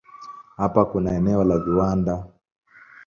Hapa kuna eneo la viwanda.